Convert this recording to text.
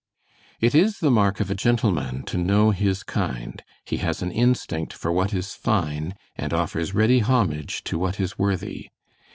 It is the mark of a gentleman to know his kind. He has an instinct for what is fine and offers ready homage to what is worthy.